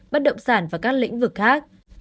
bắt động sản và các lĩnh vực khác